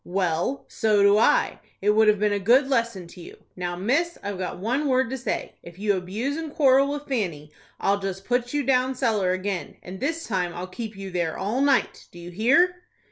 "Well, so do I. It would have been a good lesson to you. Now, miss, I've got one word to say. If you abuse and quarrel with Fanny, I'll just put you down cellar again, and this time I'll keep you there all night. Do you hear?"